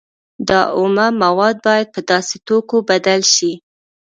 دا اومه مواد باید په داسې توکو بدل شي